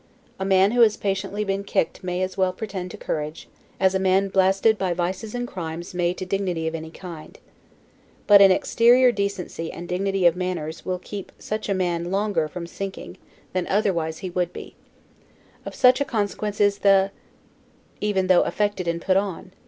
A man who has patiently been kicked may as well pretend to courage, as a man blasted by vices and crimes may to dignity of any kind. But an exterior decency and dignity of manners will even keep such a man longer from sinking, than otherwise he would be: of such consequence is the [], even though affected and put on!